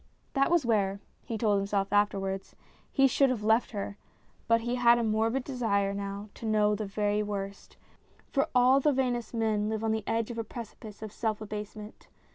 That was where (he told himself afterwards) he should have left her, but he had a morbid desire now to know the very worst ; for all the vainest men live on the edge of a precipice of self abase ment.